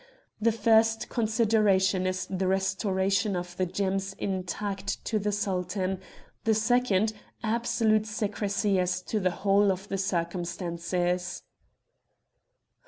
The first consideration is the restoration of the gems intact to the Sultan; the second, absolute secrecy as to the whole of the circumstances."